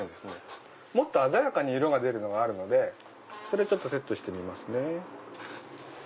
もっと鮮やかに色が出るのがあるのでそれセットしてみますね。